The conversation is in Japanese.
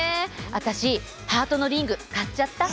わたしハートのリング買っちゃった！